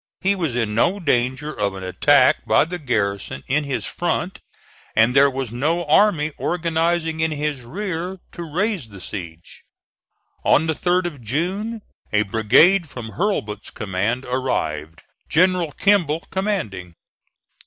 He was in no danger of an attack by the garrison in his front, and there was no army organizing in his rear to raise the siege. On the 3d of June a brigade from Hurlbut's command arrived, General Kimball commanding.